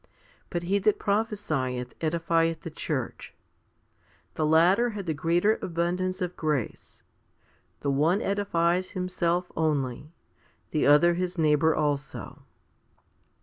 But he that prophesieth, edifieth the church. 3 The latter had the greater abundance of grace. The one edifies himself only ; the other his neighbour also.